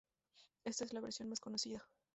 Esta es la versión más conocida.